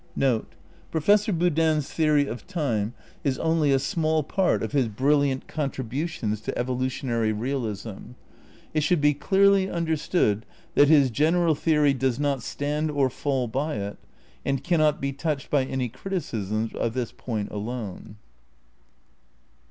NOTE: — Professor Boodin's theory of Time is only a small part of his brilliant eoutributions to evolutionary realism. It should be clearly understood that his general theory does not stand or fall by it, and cannot be touched by any criticisms of this point alone.